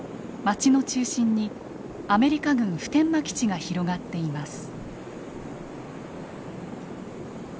街の中心にアメリカ軍普天間基地が広がっています。